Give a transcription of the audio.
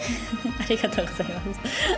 ありがとうございます。